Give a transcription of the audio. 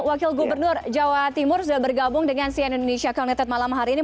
wakil gubernur jawa timur sudah bergabung dengan cn indonesia connected malam hari ini